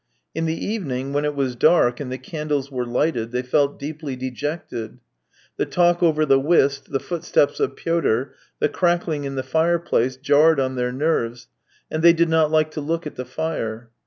In the evening when it was dark and the candles were lighted, they felt deeply dejected. The talk over the whist, the footsteps of Pyotr, the crackling in the fireplace, jarred on their nerves, and they did not like to look at the fire.